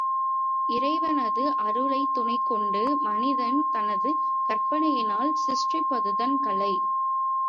இறைவனது அருளைத் துணை கொண்டு மனிதன் தனது, கற்பனையினால் சிருஷ்டிப்பதுதான் கலை.